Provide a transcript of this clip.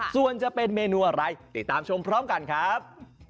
ส่วนจะเป็นเมนูอะไรติดตามชมพร้อมกันครับ